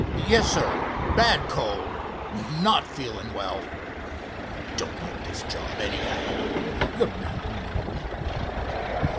"Yes, sir—bad cold. Not feelin' well. Don't like this job anyhow," the man mumbled.